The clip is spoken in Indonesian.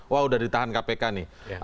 wah udah ditahan kpk nih